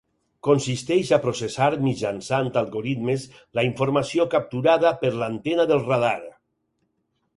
Consisteix a processar mitjançant algoritmes la informació capturada per l'antena del radar.